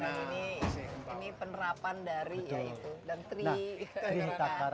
ini penerapan dari ya itu